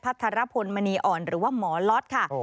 ภัฏรณะผมนมีอ่อนหรือหมอลอธค่ะ